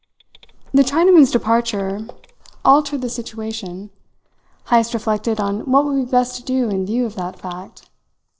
The Chinaman's departure altered the situation. Heyst reflected on what would be best to do in view of that fact.